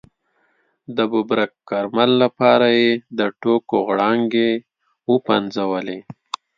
د ببرک کارمل لپاره یې د ټوکو غړانګې وپنځولې.